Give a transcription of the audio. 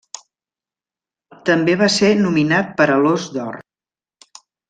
També va ser nominat per a l'Ós d'Or.